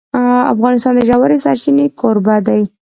افغانستان د ژورې سرچینې کوربه دی.